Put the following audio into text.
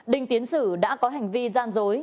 đinh tiến sử đã có hành vi gian dối